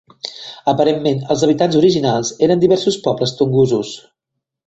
Aparentment, els habitants originals eren diversos pobles tungusos.